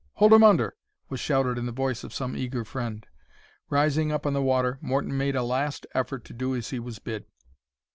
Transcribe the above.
Hold him under," was shouted in the voice of some eager friend. Rising up on the water, Morton made a last effort to do as he was bid.